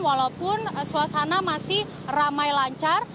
walaupun suasana masih ramai lancar